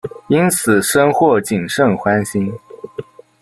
因此深获景胜欢心。